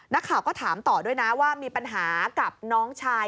นักข่าวก็ถามต่อด้วยนะว่ามีปัญหากับน้องชาย